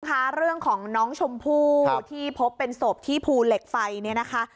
ค่ะเรื่องของน้องชมพู่ที่พบเป็นศพที่ภูเหล็กไฟเนี่ยนะคะ